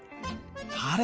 あれ？